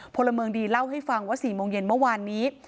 พลเมืองดีเล่าให้ฟังว่า๔โมงเย็นเมื่อวานนี้